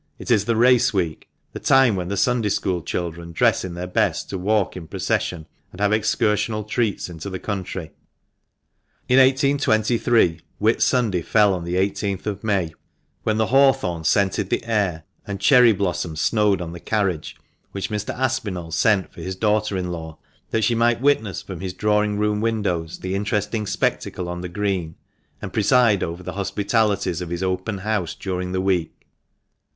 It is the race week, the time when the Sunday school children dress in their best to walk in procession and have excursional treats into the country. In 1823 Whit Sunday fell on the i8th of May, when the hawthorn scented the air, and cherry blossom snowed on the carriage which Mr. Aspinall sent for his daughter 424 THE MANCHESTER MAN. in law, that she might witness from his drawing room windows the interesting spectacle on the Green, and preside over the hospitalities of his open house during the week.